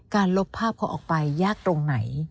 ลบภาพเขาออกไปยากตรงไหน